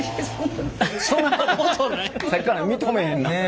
さっきから認めへんな。